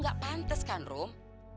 gak pantes kan rum